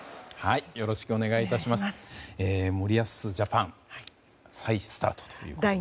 森保ジャパン再スタートということですね。